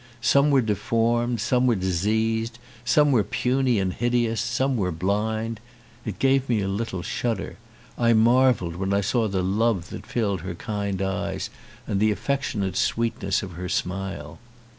Some were deformed and some were diseased, some were puny and hideous, some were blind; it gave me a little shudder: I marvelled when I saw the love that filled her kind eyes and the affectionate sweetness of her smile.